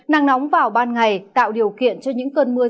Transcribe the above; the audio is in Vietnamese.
nắng nóng vào ban ngày tạo điều kiện cho những cơn mưa